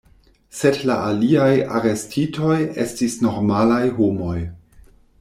Sed la aliaj arestitoj estis normalaj homoj.